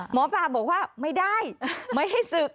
หมอปลาบอกว่าไม่ได้ไม่ให้ศึก